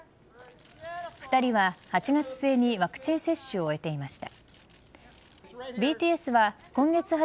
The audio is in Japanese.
２人は８月末にワクチン接種を終えていました。